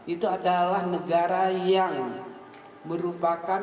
itu adalah negara yang merupakan